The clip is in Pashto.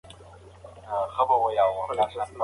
که مورنۍ ژبه وي، نو زده کړه به بده نه وي.